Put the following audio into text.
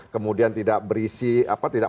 kemudian tidak berisi tidak